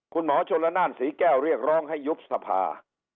คุณหมอชนละนานศรีแก้วเรียกร้องให้ยุบสภา